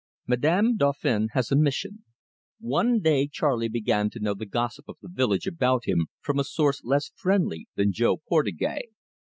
MADAME DAUPHIN HAS A MISSION One day Charley began to know the gossip of the village about him from a source less friendly than Jo Portugais.